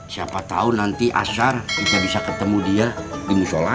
siapa tahu nanti asyar kita bisa ketemu dia di musola